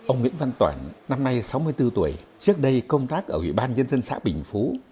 ông nguyễn văn toản năm nay sáu mươi bốn tuổi trước đây công tác ở ủy ban nhân dân xã bình phú